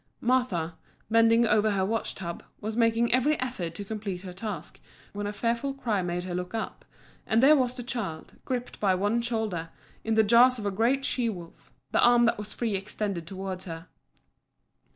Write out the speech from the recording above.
Martha, bending over her wash tub, was making every effort to complete her task, when a fearful cry made her look up, and there was the child, gripped by one shoulder, in the jaws of a great she wolf, the arm that was free extended towards her.